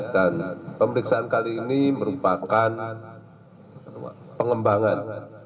dan pemeriksaan kali ini merupakan pengembangan